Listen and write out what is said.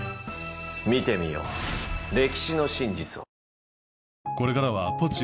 見てみよう歴史の真実を。